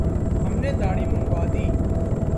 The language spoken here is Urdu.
ہم نے دھاڑی منڈوادی